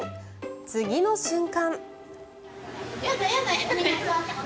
次の瞬間。